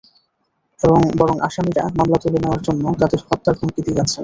বরং আসামিরা মামলা তুলে নেওয়ার জন্য তাঁদের হত্যার হুমকি দিয়ে যাচ্ছেন।